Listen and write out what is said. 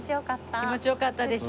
気持ちよかったでしょ？